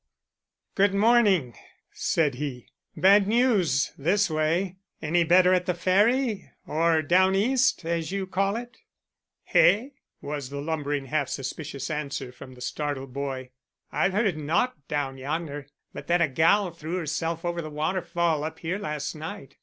"Good morning," said he. "Bad news this way. Any better at the Ferry, or down east, as you call it?" "Eh?" was the lumbering, half suspicious answer from the startled boy. "I've heard naught down yonder, but that a gal threw herself over the waterfall up here last night.